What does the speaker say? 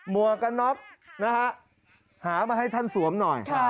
วกกันน็อกนะฮะหามาให้ท่านสวมหน่อย